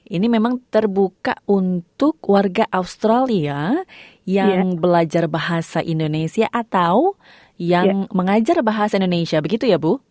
ini memang terbuka untuk warga australia yang belajar bahasa indonesia atau yang mengajar bahasa indonesia begitu ya bu